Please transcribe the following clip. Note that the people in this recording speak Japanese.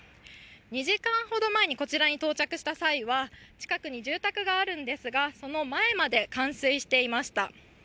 ２時間ほど前にこちらに到着した際は近くに住宅があるんですが、その前まで冠水していました。